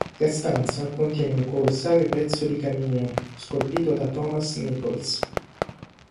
La stanza contiene un colossale pezzo di camino, scolpito da Thomas Nicholls.